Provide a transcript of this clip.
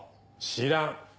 知らん。